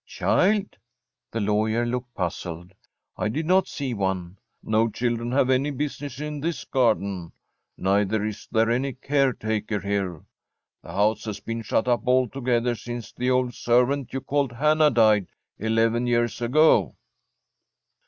'Child!' The lawyer looked puzzled. 'I did not see one. No children have any business in this garden; neither is there any caretaker here. The house has been shut up altogether since the old servant you called Hannah died, eleven years ago.'